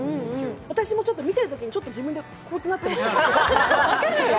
私も見てるときに自分でちょっとこうなってました。